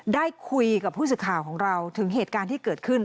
ได้คุยกับผู้สื่อข่าวของเราถึงเหตุการณ์ที่เกิดขึ้น